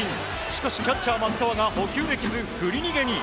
しかしキャッチャー松川が捕球できず振り逃げに。